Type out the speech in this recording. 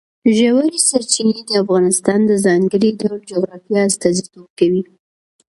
ژورې سرچینې د افغانستان د ځانګړي ډول جغرافیه استازیتوب کوي.